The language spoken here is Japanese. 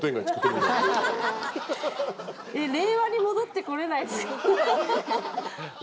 令和に戻ってこれないんですか？